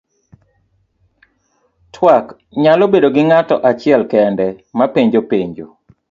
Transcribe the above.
Twak nyalo bedo gi ng'ato achiel kende mapenjo penjo.